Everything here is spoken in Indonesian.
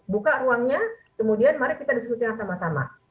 buka ruangnya kemudian mari kita diskusikan sama sama